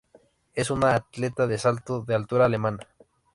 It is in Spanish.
Es una atleta de salto de altura alemana.